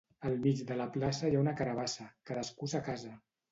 Al mig de la plaça hi ha una carabassa. Cadascú a sa casa.